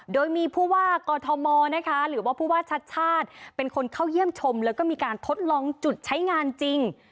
โดยมีผู้ว่ากอทมนะคะหรือว่าผู้ว่าชัดชาติเป็นคนเข้าเยี่ยมชมแล้วก็มีการทดลองจุดใช้งานจริง